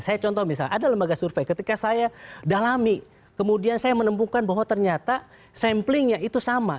saya contoh misalnya ada lembaga survei ketika saya dalami kemudian saya menemukan bahwa ternyata samplingnya itu sama